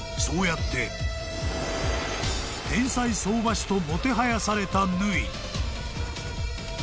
［そうやって天才相場師ともてはやされた縫］